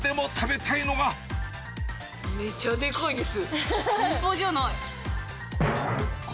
めちゃでかいです。